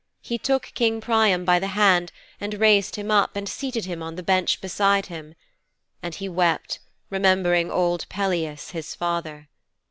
He took King Priam by the hand and raised him up and seated him on the bench beside him. And he wept, remembering old Peleus, his father.'